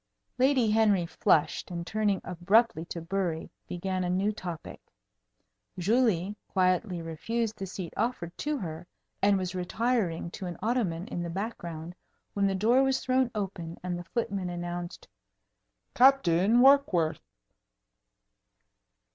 Lady Henry flushed, and, turning abruptly to Bury, began a new topic. Julie quietly refused the seat offered to her, and was retiring to an ottoman in the background when the door was thrown open and the footman announced: "Captain Warkworth."